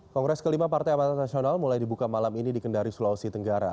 kongres kelima partai amanat nasional mulai dibuka malam ini di kendari sulawesi tenggara